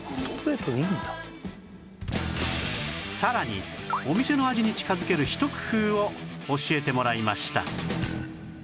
さらにお店の味に近づけるひと工夫を教えてもらいました